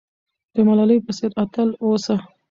د ملالۍ په څېر اتل اوسه.